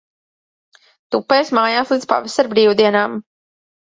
Tupēsi mājās līdz pavasara brīvdienām.